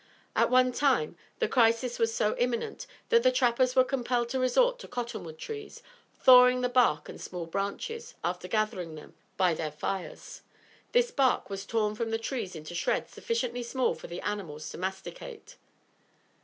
At one time the crisis was so imminent, that the trappers were compelled to resort to cottonwood trees, thawing the bark and small branches, after gathering them, by their fires. This bark was torn from the trees in shreds sufficiently small for the animals to masticate.